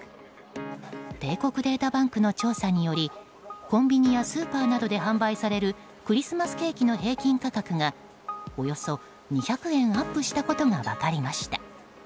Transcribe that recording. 帝国データバンクの調査によりコンビニやスーパーなどで販売されるクリスマスケーキの平均価格がおよそ２００円アップしたことが分かりました。